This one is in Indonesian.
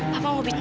papa mau bicara